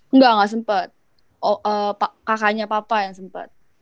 enggak gak sempet kakaknya papa yang sempet